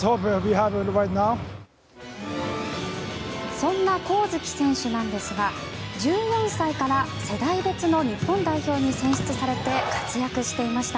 そんな上月選手なんですが１４歳から世代別の日本代表に選出されて活躍していました。